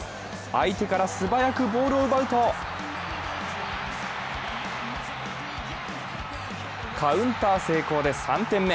相手から素早くボールを奪うとカウンター成功で３点目。